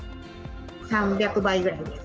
３００倍ぐらいです。